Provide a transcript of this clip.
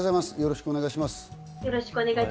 よろしくお願いします。